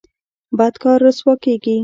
بد کار رسوا کیږي